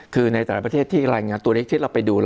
คือในแต่ละประเทศที่รายงานตัวเลขที่เราไปดู